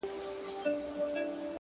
• زخمي ـ زخمي سترګي که زما وویني؛